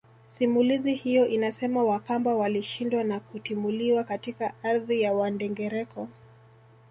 Simulizi hiyo inasema Wakamba walishindwa na kutimuliwa katika ardhi ya Wandengereko